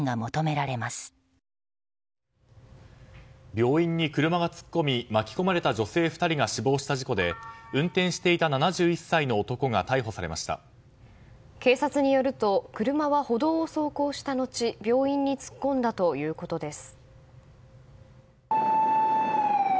病院に車が突っ込み巻き込まれた女性２人が死亡した事故で運転していた７１歳の男が警察によると車は歩道を走行した後病院に突っ込んだということです。